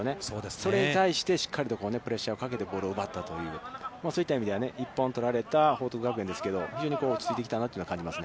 それに対してしっかりとプレッシャーをかけてボールを奪ったという、そういった意味では、１本取られた報徳学園ですけど、非常に落ち着いてきたなと感じますね。